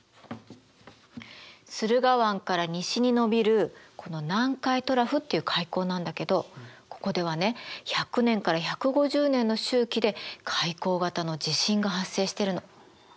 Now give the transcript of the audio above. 駿河湾から西にのびるこの南海トラフっていう海溝なんだけどここではね１００年から１５０年の周期で海溝型の地震が発生してるの。